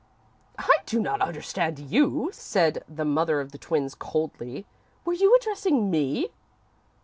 "I do not understand you," said the mother of the twins, coldly. "Were you addressing me?"